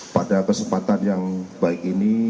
pada kesempatan yang baik ini